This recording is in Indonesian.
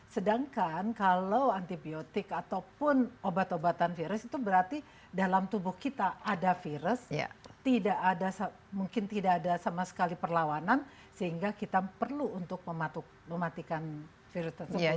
sedangkan kalau antibiotik ataupun obat obatan virus itu berarti dalam tubuh kita ada virus mungkin tidak ada sama sekali perlawanan sehingga kita perlu untuk mematikan virus tersebut